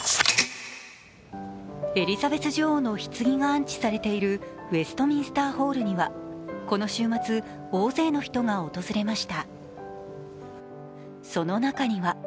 エリザベス女王のひつぎが安置されているウェストミンスターホールにはこの週末、大勢の人が訪れました。